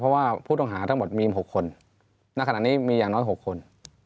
เพราะว่าผู้ต้องหาทั้งหมดมี๖คนณขณะนี้มีอย่างน้อย๖คน